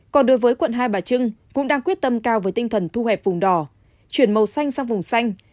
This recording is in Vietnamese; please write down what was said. còn đối với quận hai bà trưng cũng đang quyết tâm cao với tinh thần thu hẹp vùng đỏ chuyển màu xanh sang vùng xanh